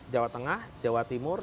jawa tengah jawa timur